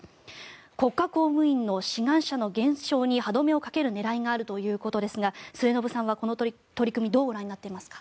国家公務員の志願者の減少に歯止めをかける狙いがあるということですが末延さんはこの取り組みどうご覧になっていますか？